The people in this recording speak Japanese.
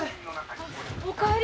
お帰り。